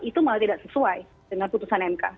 itu malah tidak sesuai dengan putusan mk